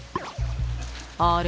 ［あれ？］